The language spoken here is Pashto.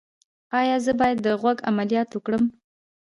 ایا زه باید د غوږ عملیات وکړم؟